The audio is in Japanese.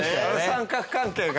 三角関係が。